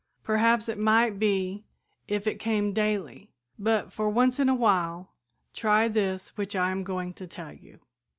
Perhaps it might be if it came daily, but, for once in a while, try this which I am going to tell you.